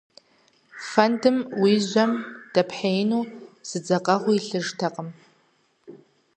Фэндым уи жьэм дэпхьеину зы дзэкъэгъуи илъыжтэкъым.